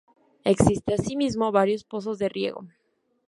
Existen así mismo, varios pozos de riego.